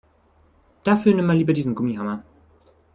Dafür nimm mal lieber diesen Gummihammer.